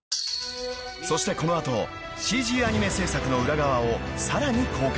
［そしてこの後ＣＧアニメ制作の裏側をさらに公開］